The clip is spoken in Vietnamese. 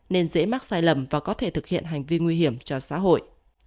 nên dễ mắc sai lầm và có thể thực hiện hành vi nguy hiểm cho xã hội